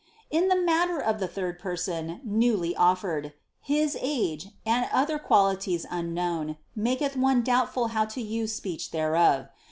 ^ In the matter of the third person, newly offered, his age, and other qualities unknown, maketh one doubt ful how to use speech thereof.